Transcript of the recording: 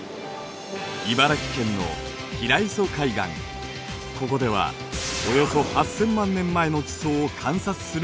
ここではおよそ８，０００万年前の地層を観察することができる。